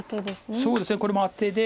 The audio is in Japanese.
そうですねこれもアテで。